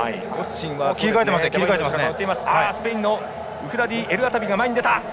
スペインのウフダディエルアタビが前に出た。